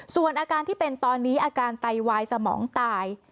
ส่วนอาการที่เป็นตอนนี้อาการไตวายสมองตาย